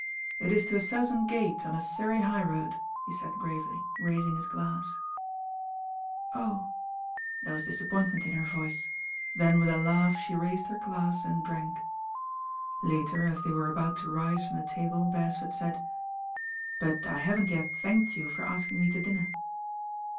"It is to a certain gate on a Surrey high road," he said gravely, raising his glass. *'0h 1" There was disappointment in her voice. Then with a laugh she raised her glass and drank. Later, as they were about to rise from the table Beresford said: "But I haven't yet thanked you for asking me to dinner."